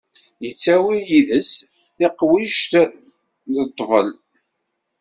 Yettawi yid-s tiqwijt d ṭṭbel.